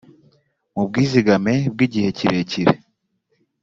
mu bwizigame bw igihe kirekire